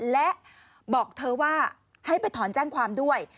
และบอกเธอว่าให้ไปถอนแจ้งความด้วย